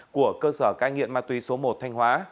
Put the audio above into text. của cơ sở cai nghiện ma túy số một thanh hóa